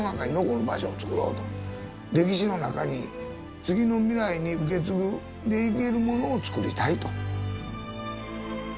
歴史の中に次の未来に受け継いでいけるものをつくりたいと。